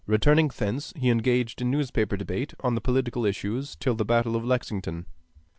Returning thence, he engaged in newspaper debate on the political issues till the battle of Lexington.